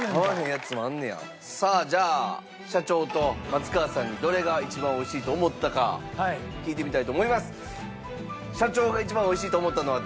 じゃあ社長と松川さんにどれが一番美味しいと思ったか聞いてみたいと思います。